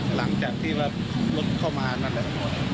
หลังจากที่รถเข้ามานั่นเลย